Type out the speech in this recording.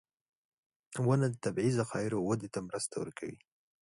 • ونه د طبعي ذخایرو وده ته مرسته کوي.